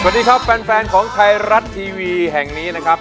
สวัสดีครับแฟนของไทยรัฐทีวีแห่งนี้นะครับ